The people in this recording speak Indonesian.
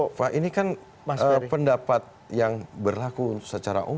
pak ini kan pendapat yang berlaku secara umum